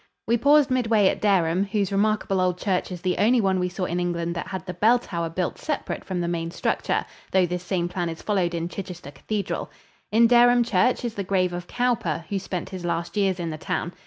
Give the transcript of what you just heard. We paused midway at Dereham, whose remarkable old church is the only one we saw in England that had the bell tower built separate from the main structure, though this same plan is followed in Chichester Cathedral. In Dereham Church is the grave of Cowper, who spent his last years in the town.